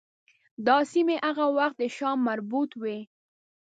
دا سیمې هغه وخت د شام مربوط وې.